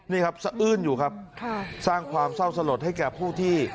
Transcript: นี่ครับสะอื้นอยู่ครับสร้างความเศร้าสลดให้แก่ผู้ที่